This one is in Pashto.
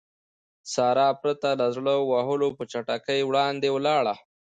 سارا پرته له زړه وهلو په چټکۍ وړاندې ولاړه.